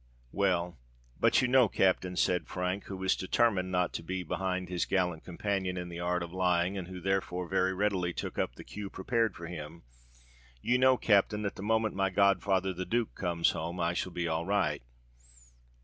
"Well—but you know, captain," said Frank, who was determined not to be behind his gallant companion in the art of lying, and who therefore very readily took up the cue prepared for him,—"you know, captain, that the moment my god father the Duke comes home, I shall be all right."